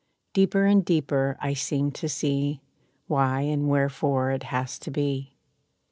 Deeper and deeper I seem to see Why and wherefore it has to be.